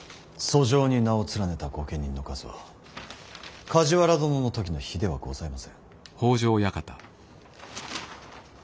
訴状に名を連ねた御家人の数は梶原殿の時の比ではございません。